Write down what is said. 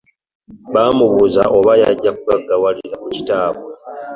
Baamubuuza oba yajja kugaggawalira ku kitaabwe.